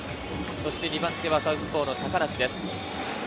２番手はサウスポーの高梨です。